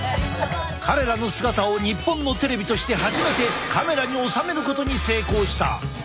彼らの姿を日本のテレビとして初めてカメラに収めることに成功した。